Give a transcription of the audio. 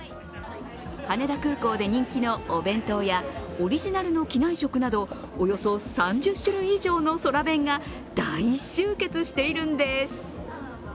羽田空港で人気のお弁当屋オリジナルの機内食などおよそ３０種類以上の空弁が大集結しているんです。